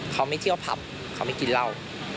เขาไม่เที่ยวผับเขาไม่กินเหล้า